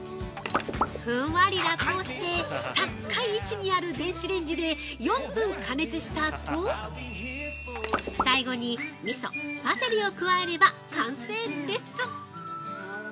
◆ふんわりラップをしてたっかい位置にある電子レンジで４分加熱したあと、最後にみそ、パセリを加えれば完成です！